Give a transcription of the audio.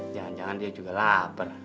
jangan jangan dia juga lapar